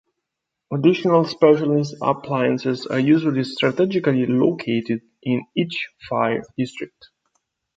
Additional specialist appliances are usually strategically located in each fire district.